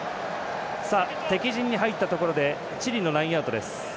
敵陣に入ったところでチリのラインアウトです。